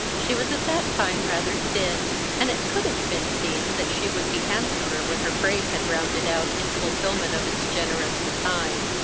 She was at that time rather thin, and it could have been seen that she would be handsomer when her frame had rounded out in fulfilment of its generous design.